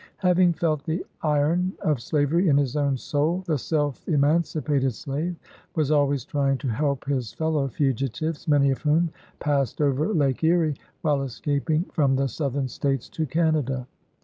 Having felt the iron of slavery in his own soul, the self emancipated slave was always trying to help his fellow fugitives, many of whom passed over Lake Erie, while escaping from the Southern States to Canada.